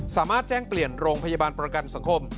สามารถแจ้งเปลี่ยนโรงพยาบาลประกันสังคม